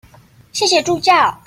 謝謝助教